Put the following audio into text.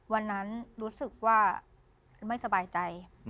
วันนั้นรู้สึกว่าไม่สบายใจ